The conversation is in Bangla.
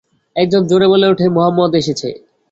একজন জোরে বলে ওঠে, মুহাম্মাদও এসেছে।